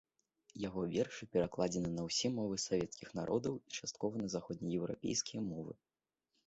Яго вершы перакладзеныя на ўсе мовы савецкіх народаў і часткова на заходнееўрапейскія мовы.